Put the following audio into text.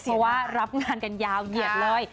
เพราะว่ารับงานกันยาวเหยียดเลย